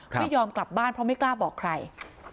ไม่ยอมกลับบ้านเพราะไม่กล้าบอกใคร